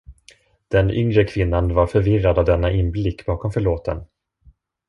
Den yngre kvinnan var förvirrad av denna inblick bakom förlåten.